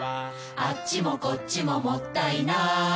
「あっちもこっちももったいない」